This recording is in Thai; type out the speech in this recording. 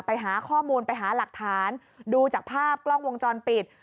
ไปหาข้อมูลไปหาหลักฐานดูจากภาพกล้องวงจรปิด